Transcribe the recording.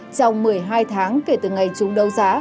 trong một mươi hai tháng kể từ ngày chúng đấu giá